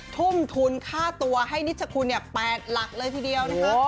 ทุ่มทุนค่าตัวให้นิชคุณ๘หลักเลยทีเดียวนะคะ